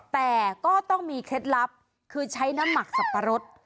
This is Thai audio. แต่ก็ต้องมีเคล็ดลับคือใช้น้ำหมักสับปะรด